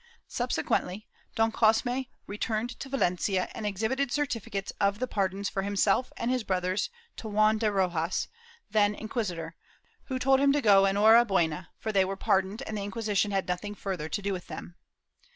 Subsequently Don Cosme returned to Valencia and exhibited certificates of the par dons for himself and his brothers to Juan de Rojas, then in quisitor, who told him to go enhorahvena, for they were pardoned and the Inquisition had nothing further to do with them.